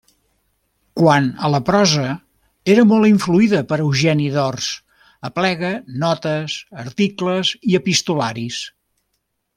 Quant a la prosa, era molt influïda per Eugeni d'Ors, aplega notes, articles i epistolaris.